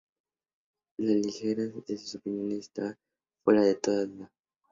La ligereza de sus opiniones estaba fuera de toda duda.